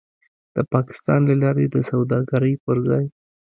د پاکستان له لارې د سوداګرۍ پر ځای